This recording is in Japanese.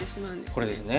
これですね。